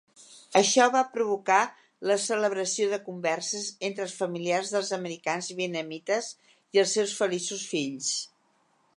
Això va provocar la celebració de converses entre els familiars dels americans vietnamites i els seus feliços fills.